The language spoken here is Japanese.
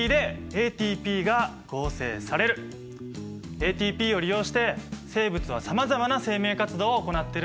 ＡＴＰを利用して生物はさまざまな生命活動を行ってるんだな。